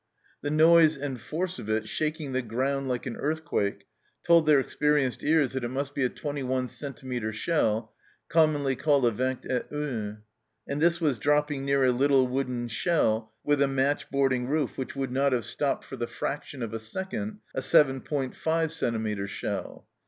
The noise and force of it, shaking the ground like an earthquake, told their experienced ears that it must be a twenty one centimetre shell, commonly called a vingt et un ; and this was dropping near a little wooden shed with a match boarding roof which would not have stopped for the fraction of a second a 7*5 centimetre shell!